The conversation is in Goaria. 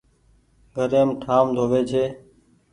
گهريم ٺآم ڌووي ڇي ۔